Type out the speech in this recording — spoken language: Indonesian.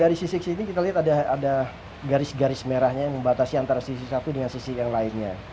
dari sisi sisi kita lihat ada garis garis merahnya yang membatasi antara sisi satu dengan sisi yang lainnya